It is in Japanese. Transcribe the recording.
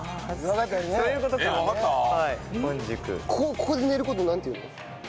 ここで寝る事をなんていうの？